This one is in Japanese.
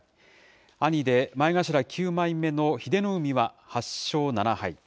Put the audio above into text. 兄で前頭９枚目の英乃海は８勝７敗。